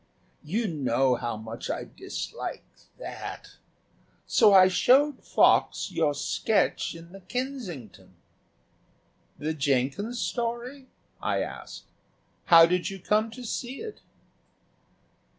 You know how much I dislike that. So I showed Fox your sketch in the Kensington." "The Jenkins story?" I said. "How did you come to see it?"